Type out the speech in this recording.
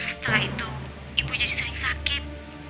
setelah itu ibu jadi sering sakit